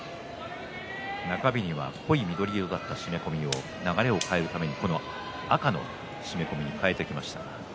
中日には濃い緑色だった締め込みを流れを変えるために赤の締め込みに替えてきました。